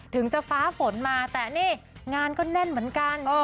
ถึงจะฟ้าฝนมาแต่นี่งานก็แน่นเหมือนกัน